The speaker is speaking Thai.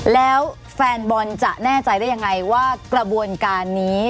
แล้วแฟนบอลจะแน่ใจได้ยังไงว่ากระบวนการนี้